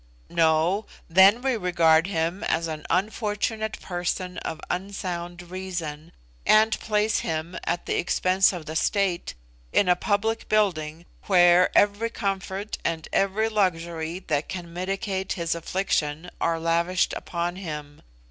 "No; then we regard him as an unfortunate person of unsound reason, and place him, at the expense of the State, in a public building, where every comfort and every luxury that can mitigate his affliction are lavished upon him.